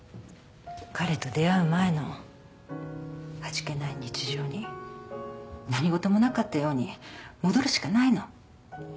彼と出会う前の味気ない日常に何事もなかったように戻るしかないの。